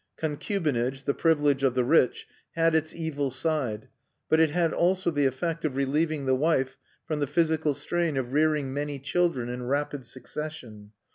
Concubinage, the privilege of the rich, had its evil side; but it had also the effect of relieving the wife from the physical strain of rearing many children in rapid succession.